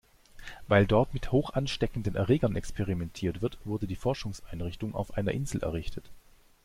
Weil dort mit hochansteckenden Erregern experimentiert wird, wurde die Forschungseinrichtung auf einer Insel errichtet.